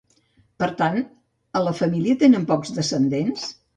Per tant, a la família tenen pocs descendents?